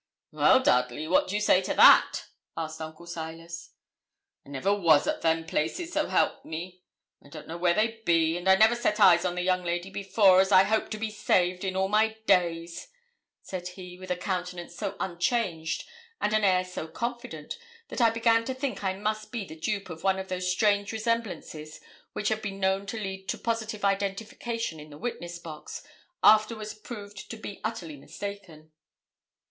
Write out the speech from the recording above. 'Well, Dudley, what do you say to that?' asked Uncle Silas. 'I never was at them places, so help me. I don't know where they be; and I never set eyes on the young lady before, as I hope to be saved, in all my days,' said he, with a countenance so unchanged and an air so confident that I began to think I must be the dupe of one of those strange resemblances which have been known to lead to positive identification in the witness box, afterwards proved to be utterly mistaken.